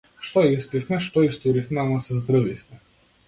Што испивме, што истуривме, ама се здрвивме.